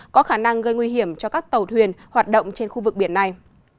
có khả năng gây nguy hiểm cho các tàu thuyền hoạt động trên khu vực biển này